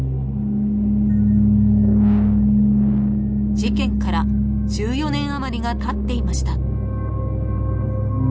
［事件から１４年余りがたっていました］